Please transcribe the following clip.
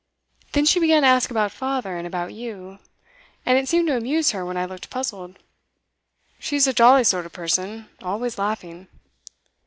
Then she began to ask about father, and about you; and it seemed to amuse her when I looked puzzled. She's a jolly sort of person, always laughing.